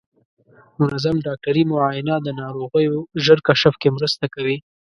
منظم ډاکټري معاینه د ناروغیو ژر کشف کې مرسته کوي.